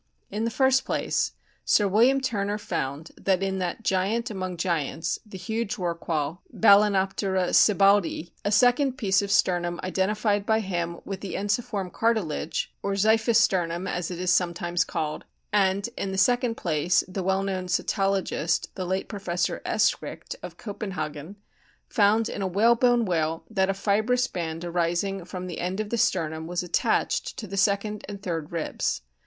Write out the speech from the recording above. In the first place, Sir William Turner found in that giant among giants the huge Rorqual, Balcenoptera sibbaldii, a second piece of sternum identified by him with the ensiform cartilage, or xiphisternum as it is sometimes called ; and, in the second place, the well known cetologist the late Prof. Eschricht, of Copenhagen found in a whalebone whale that a fibrous band arising from the end of the sternum was attached to the second and third ribs.